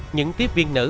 những tiếp viên nữ